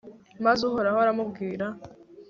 maze uhoraho aramubwira